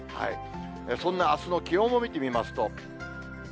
そんなあすの気温も見てみますと。